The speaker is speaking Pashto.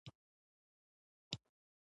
د افغانستان طبیعت له خاوره څخه جوړ شوی دی.